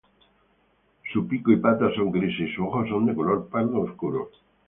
Su pico y patas son grises, y sus ojos son de color pardo oscuro.